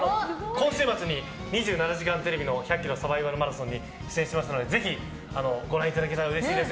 今週末に「２７時間テレビ」の１００ｋｍサバイバルマラソンに出演しますのでぜひ、ご覧いただけたらうれしいです。